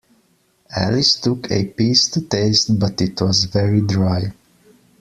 Alice took a piece to taste, but it was very dry.